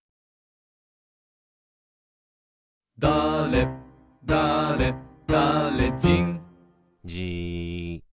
「だれだれだれじん」じーっ。